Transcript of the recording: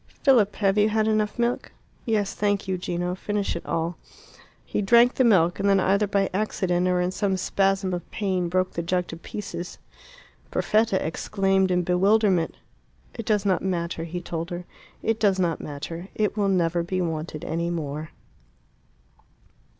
"Philip, have you had enough milk?" "Yes, thank you, Gino; finish it all." He drank the milk, and then, either by accident or in some spasm of pain, broke the jug to pieces. Perfetta exclaimed in bewilderment. "It does not matter," he told her. "It does not matter. It will never be wanted any more."